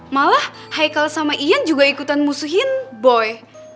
malah haikal sama ian juga ikutan musuhin boy